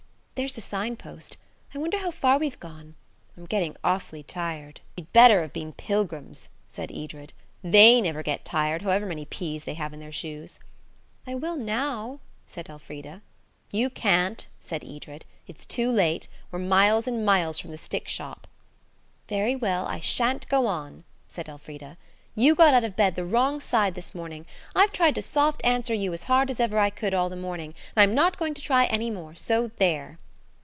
There's a sign post. I wonder how far we've gone? I'm getting awfully tired." "You'd better have been pilgrims," said Edred. "They never get tired, however many peas they have in their shoes." "I will now," said Elfrida. "You can't," said Edred; "it's too late. We're miles and miles from the stick shop." "Very well, I shan't go on," said Elfrida. "You got out of bed the wrong side this morning. I've tried to soft answer you as hard as ever I could all the morning, and I'm not going to try any more, so there."